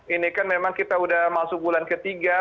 ini kan memang kita sudah masuk bulan ketiga